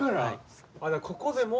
ここでもう？